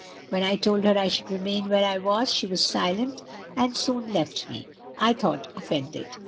When I told her I should remain where I was, she was silent, and soon left me? I thought offended.